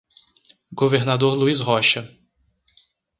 Governador Luiz Rocha